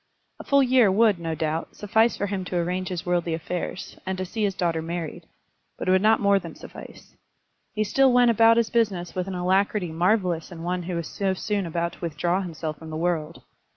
A full year would, no doubt, suffice for him to arrange his worldly affairs, and to see his daughter married; but it would not more than suffice. He still went about his business with an alacrity marvellous in one who was so soon about to withdraw himself from the world.